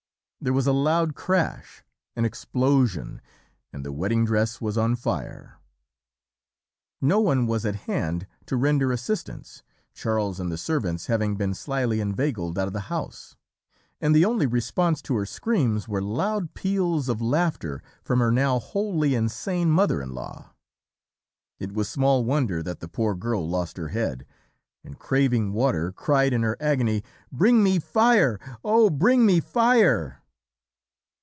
There was a loud crash an explosion and the wedding dress was on fire. "No one was at hand to render assistance, Charles and the servants having been slyly inveigled out of the house, and the only response to her screams were loud peals of laughter from her now wholly insane mother in law. "It was small wonder that the poor girl lost her head, and, craving water, cried in her agony, 'Bring me fire, oh! bring me fire!